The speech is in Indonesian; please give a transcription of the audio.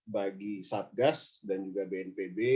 bagi satgas dan juga bnpb